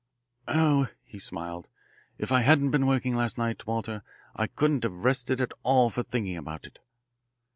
"Oh," he smiled. "If I hadn't been working last night, Walter, I couldn't have rested at all for thinking about it."